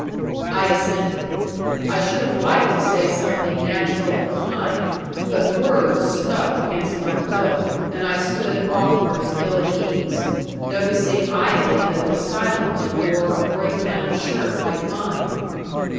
I assented. I should have liked to say something natural and kind, but words stuck against my will, and I stood awkward and ill at ease, noticing idly that the silent one wore a gray flannel shirt like mine.